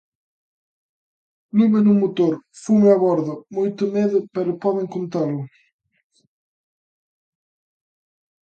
Lume nun motor, fume a bordo, moito medo pero poden contalo.